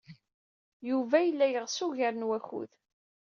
Yuba yella yeɣs ugar n wakud.